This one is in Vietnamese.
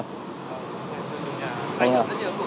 chơi trong nhà